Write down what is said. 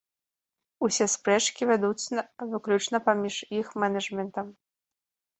Усе спрэчкі вядуцца выключна паміж іх менэджмэнтам.